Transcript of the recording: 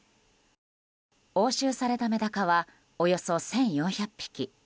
押収されたメダカはおよそ１４００匹。